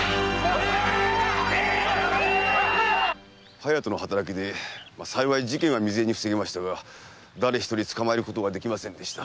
隼人の働きで幸い事件は未然に防げましたが誰ひとり捕まえることはできませんでした。